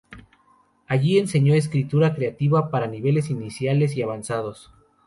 Allí enseñó escritura creativa para niveles iniciales y avanzados.